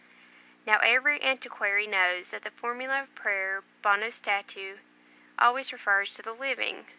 "Now every antiquary knows that the formula of prayer 'bono statu' always refers to the living.